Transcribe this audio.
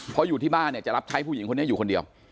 เพราะอยู่ที่บ้านเนี่ยจะรับใช้ผู้หญิงคนนี้อยู่คนเดียว